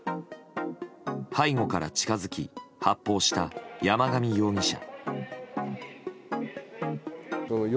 背後から近づき発砲した山上容疑者。